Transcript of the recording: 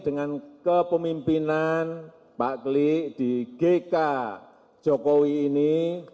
dengan kepemimpinan pak klik di gk jokowi ini